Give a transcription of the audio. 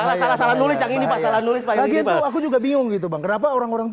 salah salah nulis yang ini pasalan nulis lagi aku juga bingung gitu bang kenapa orang orang